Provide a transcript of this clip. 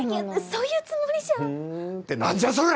そういうつもりじゃ。